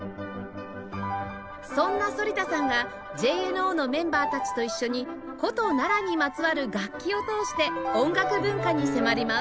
そんな反田さんが ＪＮＯ のメンバーたちと一緒に古都奈良にまつわる楽器を通して音楽文化に迫ります